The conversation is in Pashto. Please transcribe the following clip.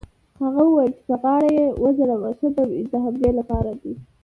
هغه وویل: چې په غاړه يې وځړوې ښه به وي، د همدې لپاره دی.